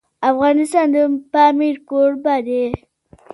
افغانستان د پامیر کوربه دی.